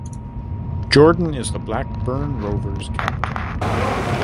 Jordan is the Blackburn Rovers captain.